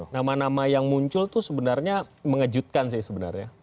nama nama yang muncul itu sebenarnya mengejutkan sih sebenarnya